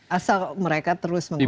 asal mereka terus mengkonsumsi